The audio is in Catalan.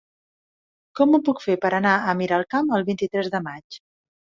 Com ho puc fer per anar a Miralcamp el vint-i-tres de maig?